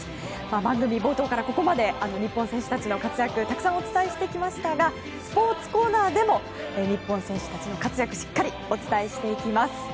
番組冒頭からここまで日本選手団の活躍をたくさんお伝えしてきましたがスポーツコーナーでも日本選手たちの活躍をしっかりお伝えしていきます。